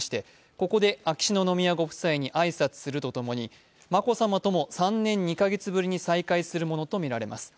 ここで秋篠宮ご夫妻に挨拶すると共に、眞子さまとも３年２カ月ぶりに再会するものとみられます。